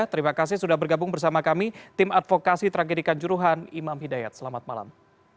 terima kasih sudah bergabung bersama kami tim advokasi tragedikan juruhan imam hidayat selamat malam